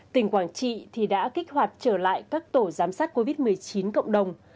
tỉnh quảng trị đã kích hoạt trở lại các tổ giám sát covid một mươi chín cộng đồng